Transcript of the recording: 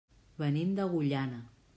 Venim d'Agullana.